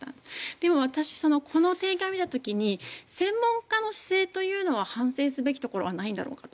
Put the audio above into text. でも私この提言を見た時に専門家の姿勢というのは反省すべきところはないんだろうかと。